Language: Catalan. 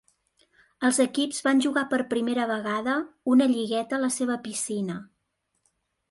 Els equips van jugar per primera vegada una lligueta a la seva piscina.